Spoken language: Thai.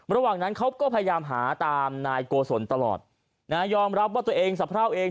ระหว่างนั้นเขาก็พยายามหาตามนายโกศลตลอดนะฮะยอมรับว่าตัวเองสะพร่าวเอง